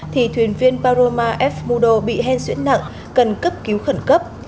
thì thuyền viên paroma f mudo bị hen xuyến nặng cần cấp cứu khẩn cấp